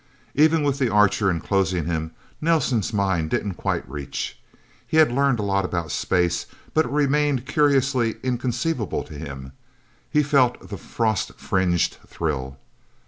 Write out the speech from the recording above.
Even with the Archer enclosing him, Nelsen's mind didn't quite reach. He had learned a lot about space, but it remained curiously inconceivable to him. He felt the frost fringed thrill.